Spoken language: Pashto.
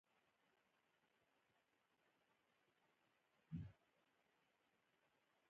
زردالو د مربا لپاره ښه مواد لري.